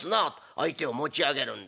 相手を持ち上げるんだ。